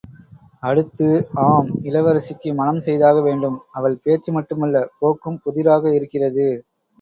அடுத்து... ஆம் இளவரசிக்கு மணம் செய்தாக வேண்டும்!... அவள் பேச்சு மட்டுமல்ல, போக்கும் புதிராக இருக்கிறது.